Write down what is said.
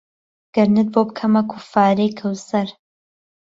گەرنت بۆ پکهمه کوففارەی کهوسەر